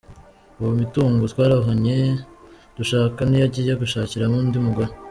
Ubu imitungo twaruhanye dushaka niyo agiye gushakiramo undi mugore.